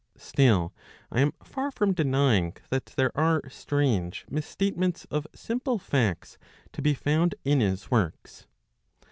Still I am far from denying that there are strange misstate ments of simple facts to be found in his works.